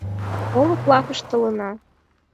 Олык лапыш толына